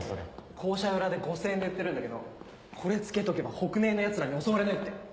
校舎裏で５０００円で売ってるんだけどこれつけとけば北根壊のヤツらに襲われないって。